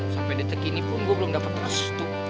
sampe di tegini pun gue belum dapet restu